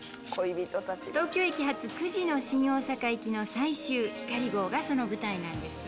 東京駅発９時の新大阪行きの最終ひかり号がその舞台なんです。